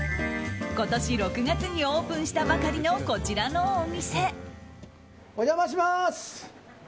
今年６月にオープンしたばかりのこちらのお店。